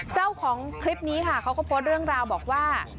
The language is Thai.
เจ้าของคลิปนี้ค่ะเขาก็โพสต์เรื่องราวบอกว่า